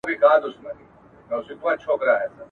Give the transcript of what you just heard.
ځکه ژوند هغسي نه دی په ظاهره چي ښکاریږي ..